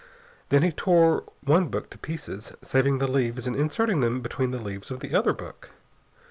Then he tore one book to pieces, saving the leaves and inserting them between the leaves of the other book.